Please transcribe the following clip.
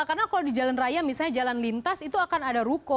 karena kalau di jalan raya misalnya jalan lintas itu akan ada ruko